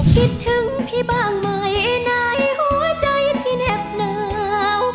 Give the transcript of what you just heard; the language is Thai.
คิดถึงพี่บ้างไหมในหัวใจที่เหน็บหนาว